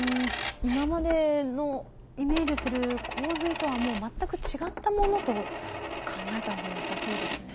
今までのイメージする洪水とはもう全く違ったものと考えた方がよさそうですね。